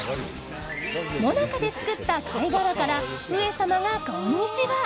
もなかで作った貝殻から上様がこんにちは！